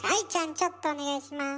ちょっとお願いします。